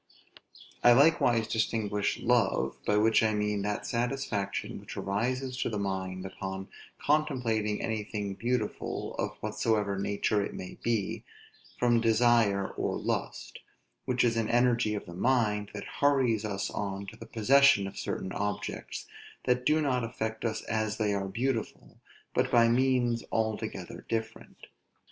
I likewise distinguish love, (by which I mean that satisfaction which arises to the mind upon contemplating anything beautiful, of whatsoever nature it may be,) from desire or lust; which is an energy of the mind, that hurries us on to the possession of certain objects, that do not affect us as they are beautiful, but by means altogether different.